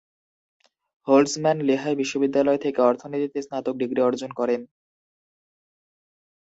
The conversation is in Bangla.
হোল্টজম্যান লেহাই বিশ্ববিদ্যালয় থেকে অর্থনীতিতে স্নাতক ডিগ্রি অর্জন করেন।